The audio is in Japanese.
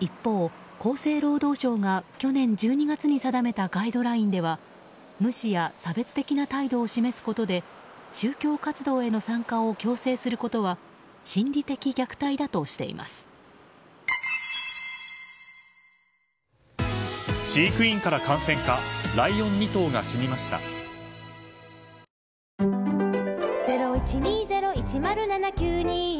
一方、厚生労働省が去年１２月に定めたガイドラインでは無視や差別的な態度を示すことで宗教活動への参加を強制することはずーっと雪ならいいのにねー！